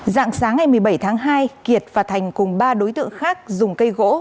dạng sáng ngày một mươi bảy tháng hai kiệt và thành cùng ba đối tượng khác dùng cây gỗ